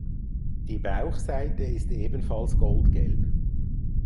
Die Bauchseite ist ebenfalls goldgelb.